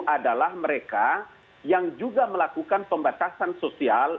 adalah mereka yang juga melakukan pembatasan sosial